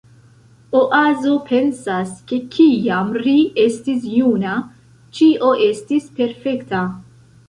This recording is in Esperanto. Oazo pensas, ke kiam ri estis juna, ĉio estis perfekta.